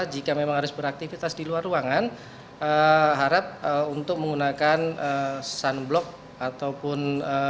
jika memang harus beraktivitas di luar ruangan harap untuk menggunakan sunblock ataupun